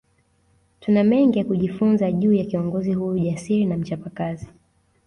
Tuna mengi ya kujifunza juu ya kiongozi huyu jasiri na mchapakazi